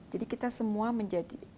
jadi kita semua menjadi